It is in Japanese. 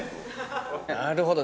なるほど。